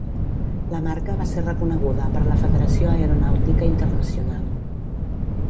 La marca va ser reconeguda per la Federació Aeronàutica Internacional.